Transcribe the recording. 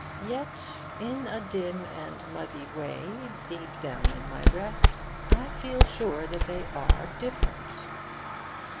Yet in a dim and muzzy way, deep down in my breast, I feel sure that they are different.